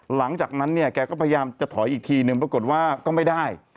หลังจากนั้นเนี่ยแกก็พยายามจะถอยอีกทีนึงปรากฏว่าก็ไม่ได้